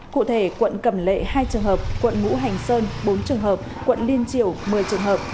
cụ thể quận cẩm lệ hai trường hợp quận ngũ hành sơn bốn trường hợp quận liên triều một mươi trường hợp